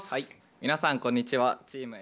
皆さん、こんにちは。